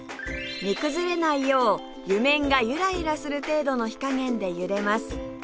煮崩れないよう湯面がゆらゆらする程度の火加減でゆでます